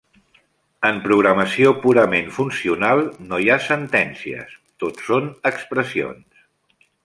En programació purament funcional no hi ha sentències, tot son expressions.